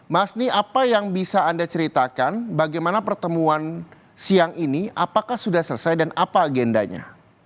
mas ni apa yang bisa anda ceritakan bagaimana pertemuan siang ini apakah sudah selesai dan apa agendanya